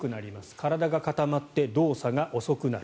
体が固まって動作が遅くなる。